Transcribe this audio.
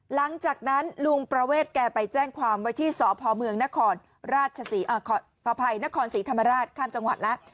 หลังจากนั้นลุงประเวทแกไปแจ้งความไว้ที่สภมนภาพัยนศรีธรรมราชข้ามจังหวัดนะ